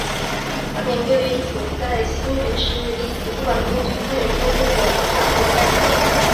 当年六月亦曾在新北市立图书馆分区资源中心启用仪式上做开场表演。